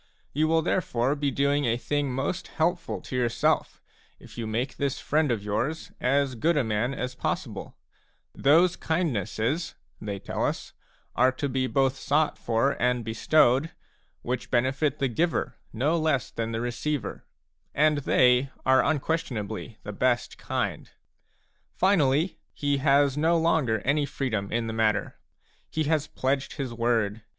You will therefore be doing a thing most helpful to yourself if you make this friend of yours as good a raan as possible ; those kindnesses, they tell us, are to be both sought for and bestowed, which benefit the giver no less than the receiver ; and they are unquestionably the best kind. Finally, he has no longer any freedom in the matter; he has pledged his word.